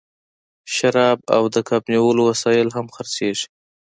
شراب او د کب نیولو وسایل هم خرڅیږي